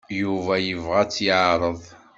Yuba yebɣa ad t-yeɛreḍ.